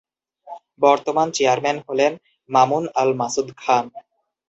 বর্তমান চেয়ারম্যান হলেন মামুন আল মাসুদ খান।